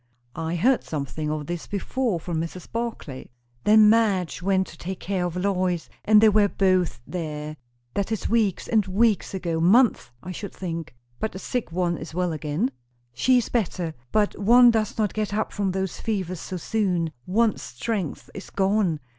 "I heard something of this before from Mrs. Barclay." "Then Madge went to take care of Lois, and they were both there. That is weeks and weeks ago, months, I should think." "But the sick one is well again?" "She is better. But one does not get up from those fevers so soon. One's strength is gone.